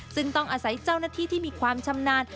ซึ่งต้องอาศัยเจ้าหน้าที่ที่มีความชำนาญ